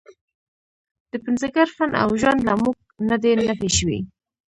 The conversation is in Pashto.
د پنځګر فن او ژوند له موږ نه دی نفي شوی.